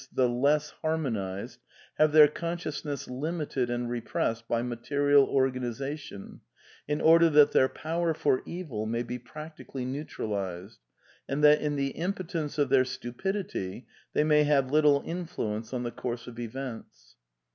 the less harmonized, have their conscious ness limited and repressed by material organization^ in order that their iwwer for evil may be practically neutralized, and that in the impotence of their stupidity they may have little influence on the course of events.''